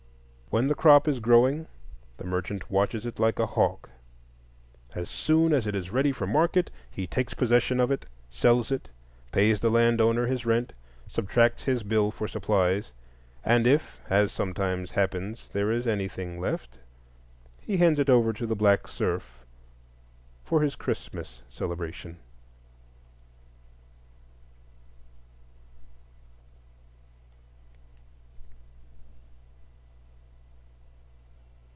When the crop is growing the merchant watches it like a hawk; as soon as it is ready for market he takes possession of it, sells it, pays the landowner his rent, subtracts his bill for supplies, and if, as sometimes happens, there is anything left, he hands it over to the black serf for his Christmas celebration.